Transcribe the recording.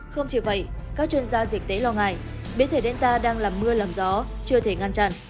không chỉ vậy các chuyên gia diễn tế lo ngại biến thể denta đang làm mưa làm gió chưa thể ngăn chặn